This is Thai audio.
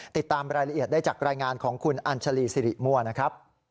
ติดตามรายละเอียดได้จากรายงานของคุณอัญชาลีสิริมั่วนะครับ